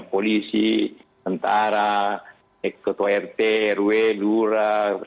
polisi tentara eksekutif rt rw lula dan lain lain